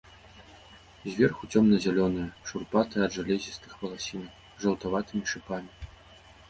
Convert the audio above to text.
Зверху цёмна-зялёнае, шурпатае ад жалезістых валасінак, з жаўтаватымі шыпамі.